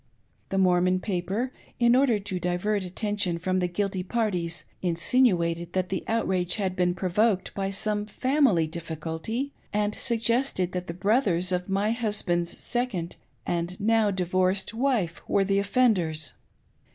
The Mormon paper, in order to divert attention from the guilty parties, insinuated that the outrage had been provoked by some family difficulty, and suggested that the brothers of my husband's second, and now divorced, wife were the offenders.